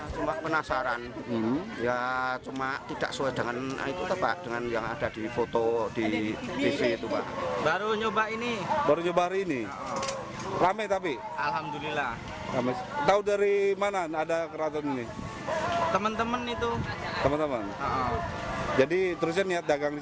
teman teman jadi terusnya niat dagang di sini